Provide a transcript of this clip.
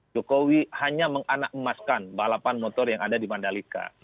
jokowi hanya menganak emaskan balapan motor yang ada di mandalika